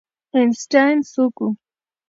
آینسټاین څوک و؟